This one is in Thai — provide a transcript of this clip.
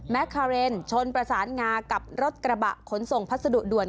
คาเรนชนประสานงากับรถกระบะขนส่งพัสดุด่วน